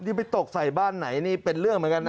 ที่ไปตกใส่บ้านไหนนี่เป็นเรื่องเหมือนกันนะ